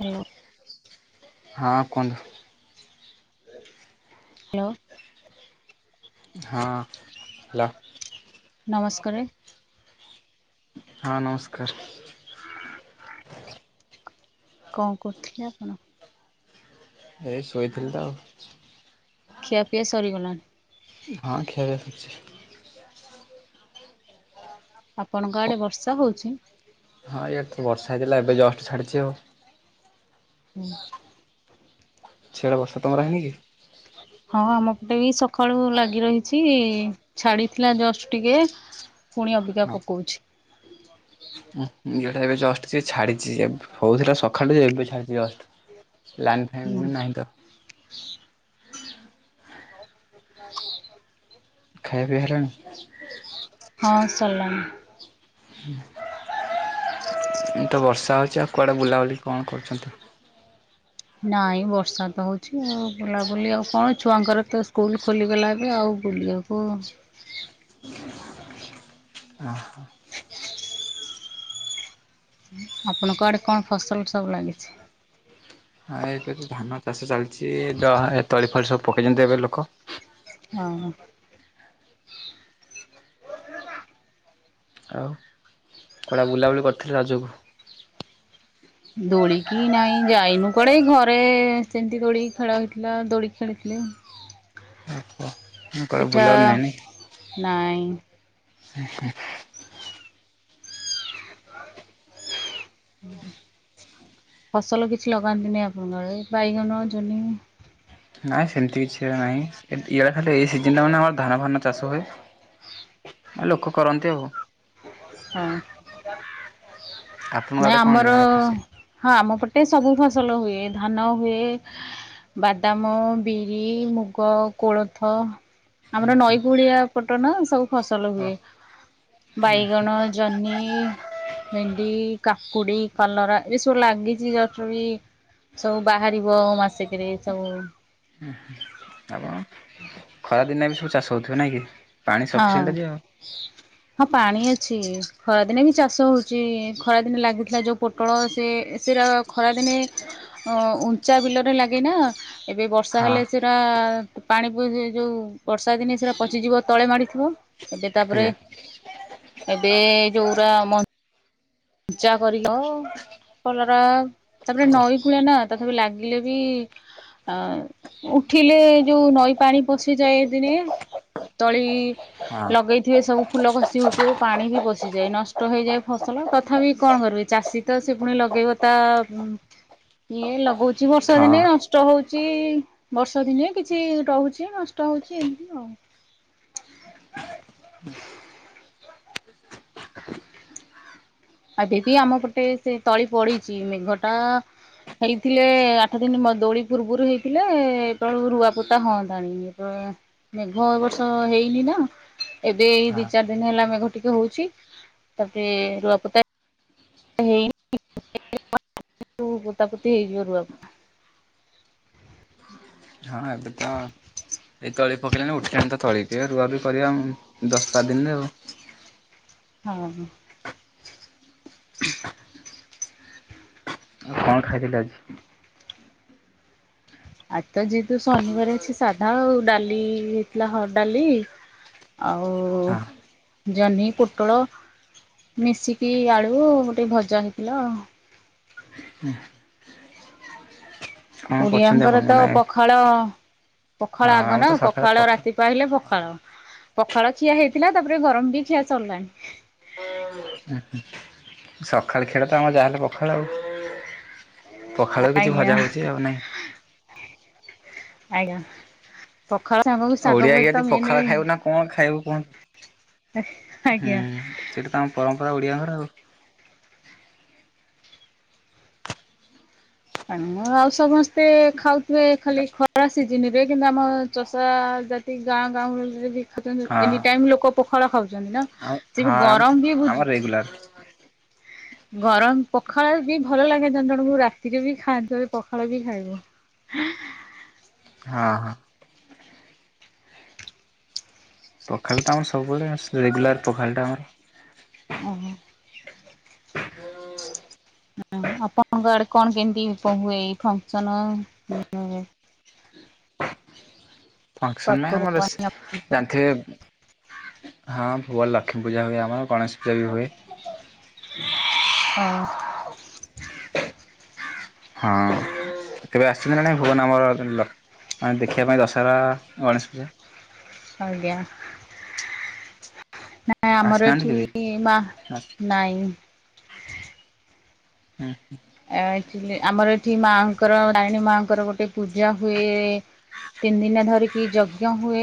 Hello. ହଁ କୁହନ୍ତୁ। Hello. ହଁ ହ୍ୟାଲୋ। ନମସ୍କାରେ। ହଁ ନମସ୍କାର। କଅଁ କରୁଥିଲେ ଆପଣ? ଏଇ ଶୋଇଥିଲି ତ ଆଉ। ଖିଆ ପିଆ ସରିଗଲାଣି। ହଁ ଖିଆ ପିଆ ସରିଚି। ଆପଣଙ୍କ ଆଡ଼େ ବର୍ଷା ହଉଚି? ହଁ ଇଆଡ଼େ ତ ବର୍ଷା ହେଇଥିଲା ଏବେ ଜଷ୍ଟ ଛାଡ଼ିଛି ଆଉ। [inaudible] ଛିଆଡ଼େ ବର୍ଷ ତମର ହେଇନି କି। ହଁ ଆମ ପଟେ ବି ସକାଳୁ ଲାଗି ରହିଚି ଛାଡ଼ିଥିଲା ଜଷ୍ଟ ଟିକେ। ପୁଣି ଅବିକା ହଁ ପକଉଛି। [unintelligible] ଏବେ ଜଷ୍ଟ ସିଏ ଛାଡ଼ିଚି ହଉଥିଲା ସକାଳୁ ଏବେ ଛାଡ଼ିଚି ଜଷ୍ଟ। ଲାଇନ୍ ଫାଇନ୍ ହୁଁ ବି ନାହିଁ ତ। ଖାଇବା ପିଇବା ହେଲାଣି। ହଁ ସଲା। ଏ ତ ବର୍ଷା ହଉଛି ଆଉ କୁଆଡ଼େ ବୁଲାବୁଲି କଣ କରୁଛନ୍ତି? ନାଇଁ ବର୍ଷା ତ ହଉଚି ଆଉ ବୁଲାବୁଲି ଆଉ କଣ ଛୁଆଙ୍କର ତ ସ୍କୁଲ ଖୋଲିଗଲା ଏବେ ଆଉ। ବୁଲିବାକୁ ହଁ। ଆପଣଙ୍କ ଆଡ଼େ କଣ ଫସଲ ସବୁ ଲାଗିଛି? ହଁ ଏବେ ତ ଧାନ ଚାଷ ଚାଲିଚି ଜ ଏତଳି ଫଳି ସବୁ ପକେଇଛନ୍ତି ଏବେ ଲୋକ। ହଁ ହଁ ହଁ। ଆଉ କୁଆଡ଼େ ବୁଲାବୁଲି କରିଥିଲ ରଜକୁ। ଦୋଳିକି ନାଇଁ ଯାଇନୁ କୁଆଡ଼େ ଏଇ ଘରେ ସେମିତି ଦୋଳିକି ଖେଳ ହୋଇଥିଲା ଦୋଳି ଖେଳିଥିଲେ। କୁଆଡ଼େ ପିଠା ବୁଲାବୁଲି ନାଇଁ। ଉଁ ହୁଁ। ଫସଲ କିଛି ଲଗାନ୍ତିନି ଆପଣଙ୍କ ଆଡେ ଏଇ ବାଇଗଣ ଜହ୍ନି। ନାଇଁ ସେମିତି କିଛି ନାଇଁ ଏମତି ଇଆଡ଼େ ଖାଲି ଏଇ ସିଜିନ ଟା ମାନେ ଆମର ଧାନ ଫାନ ଚାଷ ହୁଏ। ଆ ଲୋକ କରନ୍ତି ଆଉ। ହଁ। ଆପଣଙ୍କ ନାଇଁ ଆଡ଼େ କଣ ଆମର ନୂଆ ଫସଲ? ହଁ ଆମ ପଟେ ସବୁ ଫସଲ ହୁଏ ଧାନ ହୁଏ। ବାଦାମ, ବିରି, ମୁଗ, କୋଳଥ। ଆମର ନଈ କୂଳିଆ ପଟ ନା ସବୁ ଫସଲ ଓ ହୁଏ। ବାଇଗଣ ଜହ୍ନି, ଭେଣ୍ଡି। କାକୁଡ଼ି, କଲରା ଏ ସବୁ ଲାଗିଚି [unintelligible] ସବୁ ବାହାରିବ ମାସେକେରେ ସବୁ। ହୁଁ ହୁଁ ଆପଣ ଖରା ଦିନେ ବି ସବୁ ଚାଷ ହଉଥିବେ ନାଇଁ କି। ପାଣି ହଁ। ସଫିସିଏଣ୍ଟ ଅଛି ଆଉ ହଁ ପାଣି ଅଛି ଖରାଦିନେ ବି ଚାଷ ହଉଚି ଖରାଦିନେ ଲାଗୁଥିଲା ଯୋଉ ପୋ ଟୋଳ ସେ ସେଇରା ଖରାଦିନେ ଅଁ ଉଞ୍ଚା ବିଲରେ ଲାଗେନା। ଏବେ ବର୍ଷା ହଁ ହେଲେ ସେଉରା ପାଣି [unintelligible] ଯୋଉ ବର୍ଷା ଦିନେ ସେଇରା ପଚିଯିବ ତଳେ ମାଡ଼ିଥିବ ଏବେ ତାପରେ ଆଜ୍ଞା ଏବେ ଯୋଉରା ମ ପୂଜା କରିଲ କଲରା ତାପରେ ଓ ହଁ ନଈ କୁଳିନା ତଥାପି ଲାଗିଲେ ବି ଆ ଉଠିଲେ ଯୋଉ ନଈ ପାଣି ପଶିଯାଏ ଏ ଦିନେ। ତଳି ହଁ। ଲଗେଇଥିବେ ସବୁ ଫୁଲ ଘଷି ହଉଥିବ ପାଣି ବି ପଶିଯାଏ ନଷ୍ଟ ହେଇଯାଏ ଫସଲ। ତଥାପି କଣ କରିବେ ଚାଷୀ ତ ସେ ପୁଣି ଲଗେଇବ ତା ଇଏ ଲଗଉ କିଛି ବର୍ଷା ଦିନେ ନସ୍‌ ହଁ ଷ୍ଟ ହଉଚି ବର୍ଷା ଦିନେ କିଛି ରହୁଚି ନଷ୍ଟ ହଉଚି ଏମିତି ଆଉ। ଆବେବି ଆମ ପଟେ ସେ ତଳି ପଡିଚି ମେଘ ଟା ହେଇଥିଲେ ଆଠ ଦିନ ମ ଦୋଳି ପୂର୍ବରୁ ହେଇଥିଲେ ଏତଳକୁ ରୁଆପୋତା ହଅନ୍ତାଣି ଇଏ ତ ମେଘ ଏ ବର୍ଷ ହେଇନି ନା ଏବେ ଏଇ ଦଚାରି ଦିନ ହେଲା ମେଘ ଟିକେ ହୋଉଚି। ତାପରେ ରୁଆପୋତା ହେଇ ଓ ପୋତାପୋତି ହେଇଯିବ ରୁଆ ହଁ ଏବେ ତ ଏଇ ତଳି ପକେଇଲାଣି ଉଠେଇ ଆଣିତ ତଳିିକି ଏ ରୁଆ ବି କରିବା ଆମ୍ ଦଶଟା ଦିନରେ ଆଉ ହଁ। ଆଉ କଣ ଖାଇଥିଲେ ଆଜି? ଆଜି ତ ଯେହେତୁ ଶନିବାର ଅଛି ସାଧା ଆଉ ଡାଲି ହେଇଥିଲା ହଡ ଡାଲି ଆଉ ହଁ ଜହ୍ନି ପୋଟଳ ମିଶିକି ଆଳୁ ଗୋଟେ ଭଜା ହେଇଥିଲା ଆଉ। କଣ କରୁଛନ୍ତି ଓଡିଆଙ୍କର ଆପଣ ତ ମାନେ ପଖାଳ ହଁ ପଖାଳ ଆଗ ଆମେ ନା ତ ସକାଳେ ପଖାଳ ପଖା ରାତି ପାହିଲେ ପଖାଳ ପଖାଳ ଖିଆ ହେଇଥିଲା ତାପରେ ଗରମ ବି ଖିଆ ସରିଲାଣି। ଉଁହୁଁ ସଖାଳ ଖିଆ ତ ଆମର ଯାହା ହେଲେ ପଖାଳ ଆଉ। ପଖାଳ କିଛି ଆଜ୍ଞା। ଭଜା ଭଜି ଆଉ ନାହିଁ। ଆଜ୍ଞା। ପଖାଳ ସାଙ୍ଗକୁ ଶାଗ ଓଡିଆ ଭଜା ଆଜ୍ଞା ତ ଯଦି ମେନେ ପଖାଳ ଖାଇବୁ ନା କଣ ଖାଇବୁ କୁହନ୍ତୁ। ଆଜ୍ଞା। ହୁଁ ସେଇଟା ତ ଆମ ପରମ୍ପରା ଓଡ଼ିଆଙ୍କର ଆଉ। ଏଣୁ ଆଉ ସମସ୍ତେ ଖାଉଥିବେ ଖାଲି ଖରା ସିଜିନରେ କିନ୍ତୁ ଆମ ଚଷା ଜା ସେଇ ଗାଁ ଗାଉଁଲିରେ ଦେଖ ଯାଆନ୍ତି ହଁ ଏନି ଟାଇମ ଲୋକ ପୋଖାଳ ଖାଉଚନ୍ତି ନା ଆଉ ସେ ବି ହଁ ଆମ ଗରମ ବି ଆମର ବୁଝୁ ରେଗୁଲାର ଗରମ ପଖାଳ ବି ଭଲ ଲାଗେ ଜଣ ଜଣକୁ ରାତିରେ ବି ଖାଆନ୍ତି [unintelligible] ପଖାଳ ବି ଖାଇବ। ହଁ ହଁ। ପଖାଳ ତ ଆମର ସବୁବେଳେ ଆ ସେ ରେଗୁଲାର ପଖାଳଟା ଆମର। ଓହୋ। ହୁଁ ଆପଣଙ୍କ ଆଡେ କଣ କେମତି ଏ ପ ହୁଏ ଏଇ ଫଙ୍କସନ? ଫଙ୍କସନ ନା ଆମ ବେଶୀ ପର୍ବପର୍ବାଣି ଜାଣିଥିବେ। ହଁ ଭୁଅ ଲକ୍ଷ୍ମୀ ପୂଜା ହୁଏ ଆମର ଗଣେଶ ପୂଜା ବି ହୁଏ। ହଁ। ହଁ। କେବେ ଆସିଛନ୍ତି ନା ନାହିଁ ଭୁବନ ଆମର [unintelligible] ଲକ୍ଷ୍ ମାନେ ଦେଖିବା ପାଇଁ ଦଶହରା, ଗଣେଶ ପୂଜା? ଆଜ୍ଞା ନା ନାଇ ଆମର ଆସିନାହାନ୍ତି ଏଠି କେବେ? ମାଆ ନାଇଁ। ଅ ହଁ। ଆ-ଆକଚୁଲି ଆମର ଏଠି ମାଆଙ୍କର ତାରିଣୀ ମାଆଙ୍କର ଗୋଟେ ପୂଜା ହୁଏ ତିନ ଦିନ ଧରିକି ଯଜ୍ଞ ହୁଏ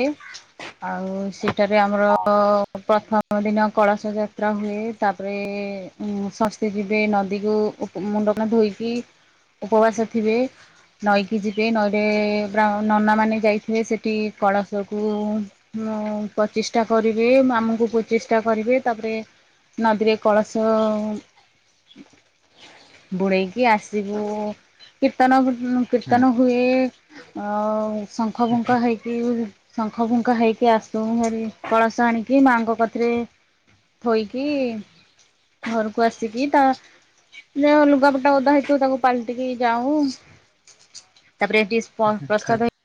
ଆଉ ସେଇଟା ବି ଆମର ପ୍ରଥମ ଦିନ କଳସ ଯାତ୍ରା ହୁଏ ତାପରେ ଉଁ ସମସ୍ତେ ଯିବେ ନଦୀକୁ ଉ ମୁଣ୍ଡ କାନ ଧୋଇକି ଉପବାସ ଥିବେ ନଈକି ଯିବେ ନଈରେ ବ୍ରା ନନାମାନେ ଯାଇଥିବେ ସେଠି କଳସକୁ ମୁ ପଚିଷ୍ଟା କରିବେ ମାମୁଁଙ୍କୁ ପଚିଷ୍ଟା କରିବେ ତାପରେ ନଦୀରେ କଳସ ବୁଡେଇକି ଆସିବୁ କୀର୍ତ୍ତନ ଫିର୍ ଉଁ ହୁଁ କୀର୍ତ୍ତନ ହୁଏ ଆଉ ଶଙ୍ଖ ଫୁଙ୍କା ହେଇକି ଶଙ୍ଖ ଫୁଙ୍କା ହେଇକି ଆସୁ ଭାରି କଳସ ଆଣିକି ମାଆଙ୍କ କତିରେ ଥୋଇକି ଘରକୁ ଆସିକି ତା ଯାହା ଲୁଗା ପଟା ଓଦା ହେଇଥିବ ତାକୁ ପାଲଟିକି ଯାଉଁ ତାପରେ ହେଟି ପ ମୁଁ ପ୍ରସାଦ ହେଇ କହିଲି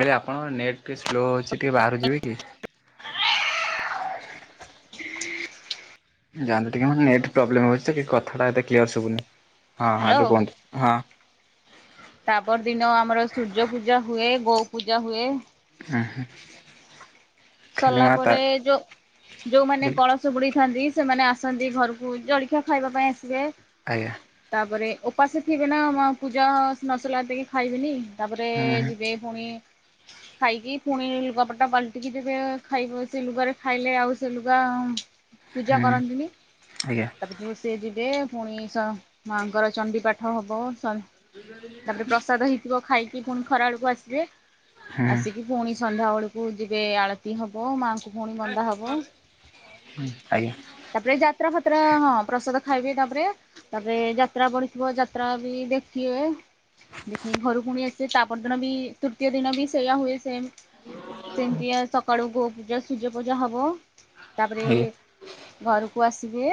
ଭାଇ ଆପଣଙ୍କର ନେଟ୍ ଟିକେ ସ୍ଲୋ ଅଛି, ଟିକେ ବାହାରକୁ ଯିବେ କି? [unintelligible] ଯାଆନ୍ତୁ ଟିକେ ମ ନେଟ୍ ପ୍ରବ୍ଲେମ୍ ହୋଉଛି ତ କି କଥାଟା ଏତେ କ୍ଲିୟର୍ ଶୁବୁନି, ହଁ ହ୍ୟାଲୋ ଏବେ କୁହନ୍ତୁ ହଁ। ତାପର୍ ଦିନ ଆମର ସୂର୍ଯ୍ୟପୂଜା ହୁଏ, ଗୋପୂଜା ହୁଏ। ହୁଁ- ହୁଁ। ଖାଲି ସରିଲା ମା ତା ପରେ ଯୋଉ ଯୋଉମାନେ ବୋଲି କଳସ ସ ବୁଡ଼େଇଥାନ୍ତି ସେମାନେ ଆସନ୍ତି ଘରକୁ, ଜଳିଖିଆ ଖାଇବା ପାଇଁ ଆସିବେ। ଆଜ୍ଞା। ତାପରେ ଓପାସ ଥିବେ ନା ମ୍ ପୂଜା ନସରିଲା ହାତେ ଖାଇବେନି, ତାପରେ ହୁଁ ହୁଁ ଯିବେ ପୁଣି ଖାଇକି, ପୁଣି ଲୁଗାପାଟା ପାଲଟିିକି ଯେବେ ଆଉ ଖାଇବ ସେ ଲୁଗାରେ ଖାଇଲେ, ଆଉ ସେ ଲୁଗା ପୂଜା କରନ୍ତିନି। ଆଜ୍ଞା। ତାପରେ ଯୋଉ ସେ ଯିବେ, ପୁଣି ସ ମାଆଙ୍କର ଚଣ୍ଡୀ ପାଠ ହବ। ସ ତାପରେ ପ୍ରସାଦ ହେଇଥିବ ଖାଇକି ପୁଣି ଖରା ବେଳୁକୁ ଆସିବେ, ହୁଁ ଆସିକି ଫୁଣି ସନ୍ଧ୍ୟା ବେଳୁକୁ ଯି ଏବେ ଆଳତୀ ହବ, ମାଙ୍କୁ ଫୁଣି ବନ୍ଦା ହବ। ହୁଁ ଆଜ୍ଞା। ତାପରେ ଯାତ୍ରା ଫାତ୍ରା, ହଁ ପ୍ରସାଦ ଖାଇବେ ତାପରେ ତାପରେ ଯାତ୍ରା ପଡିଥିବ, ଯାତ୍ରା ବି ଦେଖିବେ। ଦେଖିବେ ଘରୁକୁୁ ଫୁଣି ଆସିବେ, ତାପର୍ ଦିନ ବି ତୃତୀୟ ଦିନ ବି ସେଇୟା ହୁଏ ସେମ୍। ସେମିତିଆ ସକାଳୁ ଗୋପୂଜା ସୂର୍ଯ୍ୟପୂଜା ହବ, ତାପରେ ହଁ ଘରକୁ ଆସିବେ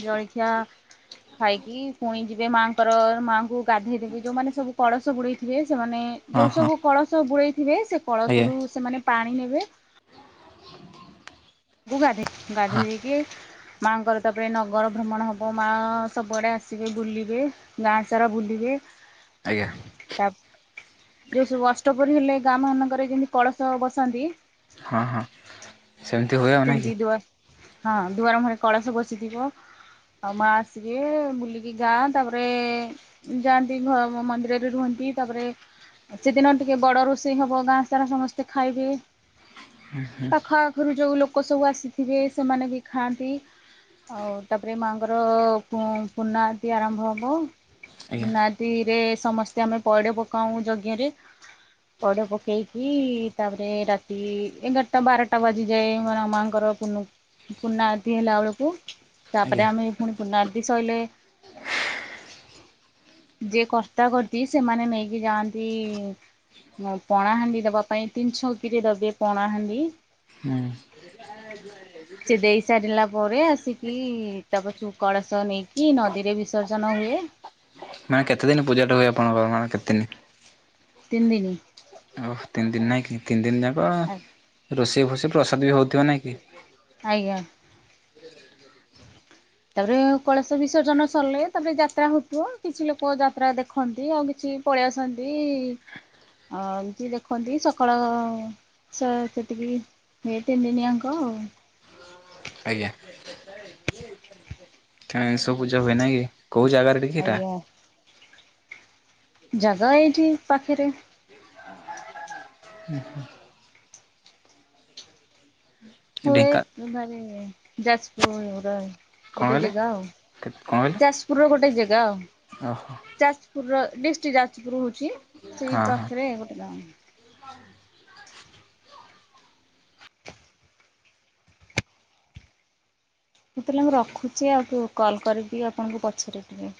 ଜଳିଖିଆ ଖାଇକି ପୁଣି ଯିବେ ମାଆଙ୍କର, ମାଆଙ୍କୁ ଗାଧେଇ ଦେବେ ଯୋଉମାନେ ସବୁ କଳସ ବୁଡ଼େଇ ଥିବେ। ସେମାନେ ଯୋଉ ହଁ ସବୁ କଳସ ବୁଡ଼େଇ ଥିବେ, ସେ ଆଜ୍ଞା କଳସରୁ ସେମାନେ ପାଣି ନେବେ। [unintelligible] ଗାଧେଇ ହଁ ଗାଧେଇ ଦେଇକି ମାଆଙ୍କର ତାପରେ ନଗର ଭ୍ରମଣ ହବ, ମାଆ ସବୁଆଡ଼େ ଆସିବେ ବୁଲିବେ। ଗାଁ ସାରା ବୁଲିବେ। ଆଜ୍ଞା ତାପ୍ ଯୋଉ ସବୁ ଅଷ୍ଟପ୍ରହରୀ ହେଲେ, ଗାଁ ମାନଙ୍କରେ ଯେମିତି କଳସ ବସାନ୍ତି ହଁ -ହଁ। ସେମିତି ହୁଏ ଆଉ। ନାଇଁ ସେମିତି କି ଦୁଆରେ ହଁ ଦୁଆର ମୁହଁରେ କଳସ ବସିଥିବ। ଆଉ ମାଆ ଆସିବେ ବୁଲିକି ଗାଁ, ତାପରେ ଯାଆନ୍ତି ଘ ମନ୍ଦିରରେ ରୁହନ୍ତି, ତାପରେ ସେଦିନ ଟିକେ ବଡ଼ ରୋଷେଇ ହବ, ଗାଁ ସାରା ସମସ୍ତେ ଖାଇବେ। ପାଖ ଆଖୁରୁ ଯୋଉ ଲୋକ ସବୁ ଆସିଥିବେ, ସେମାନେ ବି ଖାଆନ୍ତି। ଆଉ ତାପରେ ମାଆଙ୍କର ପୁଁ ପୂର୍ଣ୍ଣାହୁତି ଆରମ୍ଭ ହବ। ଆଜ୍ଞା ପୂର୍ଣ୍ଣାହୁତିରେ ସମସ୍ତେ ଆମେ ପଇଡ ପକାଉ ଯଜ୍ଞରେ। ପଇଡ଼ ପକେଇକି, ତାପରେ ରାତି ଏଗାରଟା ବାରଟା ବାଜିଯାଏ ଆମର ମାଆଙ୍କର ପୂ ପୂର୍ଣ୍ଣାହୁତି ହେଲା ବେଳକୁ, ଆଜ୍ଞା ତାପରେ ଆମେ ଫୁଣି ପୂର୍ଣ୍ଣାହୁତି ସଇଲେ ଯିଏ କର୍ତ୍ତା କର୍ତ୍ତି ସେମାନେ ନେଇକି ଯାଆନ୍ତି ପଣାହାଣ୍ଡି ଦବା ପାଇଁ, ତିନି ଛକିରେ ଦେବେ ପଣାହାଣ୍ଡି। ହୁଁ। [unintelligible] ସେ ଦେଇ ସାରିଲା ପରେ, ଆସିକି ତା ପଛୁକୁ କଳସ ନେଇକି ନଦୀରେ ବିସର୍ଜନ ହୁଏ। ମାନେ କେତେ ଦିନ ପୂଜାଟା ହୁଏ, ଆପଣଙ୍କର କେତେ ଦିନ? ତିନିଦିନି। ଓ ତିନି ଦିନ ନାହିଁ କି, ତିନି ଦିନ ଯାକ ରୋଷେଇ ଫୋସେଇ ପ୍ରସାଦ ବି ହଉଥିବ ନାଇଁ କି? ଆଜ୍ଞା। [unintelligible] ତାପରେ କଳସ ବିସର୍ଜନ ସରିଲେ ତାପରେ ଯାତ୍ରା ହଉ ଥିବ, କିଛି ଲୋକ ଯାତ୍ରା ଦେଖନ୍ତି ଆଉ କିଛି ପଳେଇ ଆସନ୍ତି ଅ ଏମତିି ଦେଖନ୍ତି ସକାଳ [unintelligible] ତିନି ଦିନି ଆଙ୍କ ଆଉ ଆଜ୍ଞା। [unintelligible] ସବୁ ପୂଜା ହୁଏ ନାଇଁ କି କୋଉ ଜାଗାରେ [unintelligible] ଆଜ୍ଞା ଜାଗା ଏଇଠି ପାଖେରେ [unintelligible] ହୁଏ ଢେଙ୍କା ମାନେ ଯାଜପୁର [unintelligible] କଣ ଗୋଟେ କହିଲେ ଜେଗା ଆଉ କଣ କହିଲେ? ଯାସପୁର ର ଗୋଟେ ଜେଗା ଆଉ। ଓହୋ ଯାଜପୁରର ଡିଷ୍ଟୀକି ଯାଜପୁର ହୋଉଚି ସେଇ ହଁ ହଁ ପାଖେରେ ଗୋଟେ ଗାଁ। [unintelligible] ହୋଉ ତାହେଲେ ମୁଁ ରଖୁଛି ଆଉ [unintelligible] କଲ୍ କରିବି ଆପଣଙ୍କୁ ପଛରେ ଟିକେ।